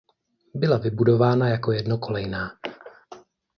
Byla vybudována jako jednokolejná.